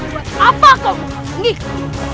kenapa kau tidak menginginkan